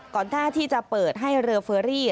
ท่าที่จะเปิดให้เรือเฟอรี่